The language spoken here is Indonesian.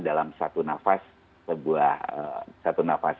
dalam satu nafas